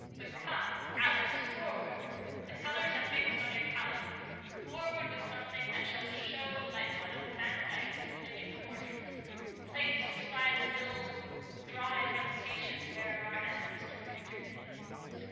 —But come, Alice, forward; the colours are mixed on your pallet—forward with something that shall show like one of Vandyck's living portraits, placed beside the dull dry presentation there of our ancestor Victor Lee."